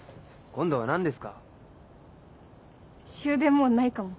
今度は何ですか？